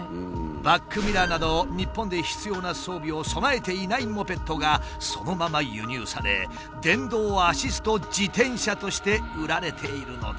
バックミラーなど日本で必要な装備を備えていないモペットがそのまま輸入され電動アシスト自転車として売られているのだ。